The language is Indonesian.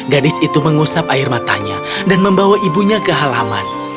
gadis itu mengusap air matanya dan membawa ibunya ke halaman